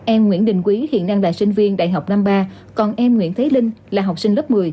em nguyễn đình quý hiện đang là sinh viên đại học năm mươi ba còn em nguyễn thế linh là học sinh lớp một mươi